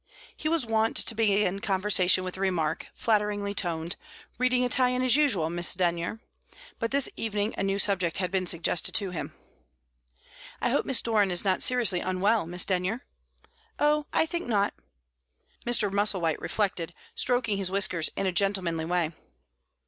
He was wont to begin conversation with the remark, flatteringly toned, "Reading Italian as usual, Miss Denyer?" but this evening a new subject had been suggested to him. "I hope Miss Doran is not seriously unwell, Miss Denyer?" "Oh, I think not." Mr. Musselwhite reflected, stroking his whiskers in a gentlemanly way.